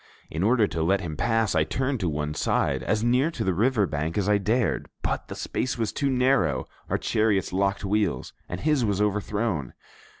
In order to let him pass, I turned to one side, as near to the river brink as I dared; but the space was too narrow, our chariots locked wheels, and his was overthrown.